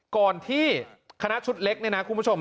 ก่อนที่คณะชุดเล็กเนี่ยนะคุณผู้ชม